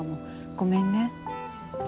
ごめんね。